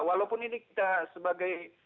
walaupun ini kita sebagai